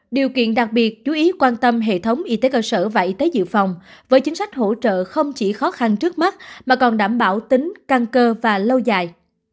điều kiện đặc biệt chú ý quan tâm hệ thống y tế cơ sở và y tế dự phòng với chính sách hỗ trợ không chỉ khó khăn trước mắt mà còn đảm bảo tính căn cơ và lâu dài